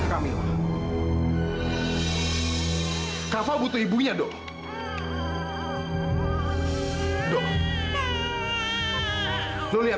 tidak diam saja